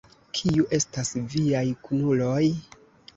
Kiu estas viaj kunuloj?